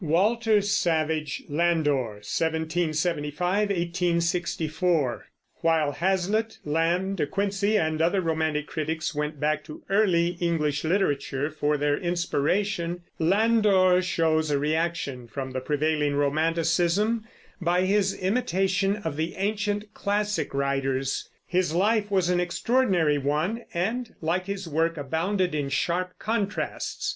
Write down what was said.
WALTER SAVAGE LANDOR (1775 1864) While Hazlitt, Lamb, De Quincey, and other romantic critics went back to early English literature for their inspiration, Landor shows a reaction from the prevailing Romanticism by his imitation of the ancient classic writers. His life was an extraordinary one and, like his work, abounded in sharp contrasts.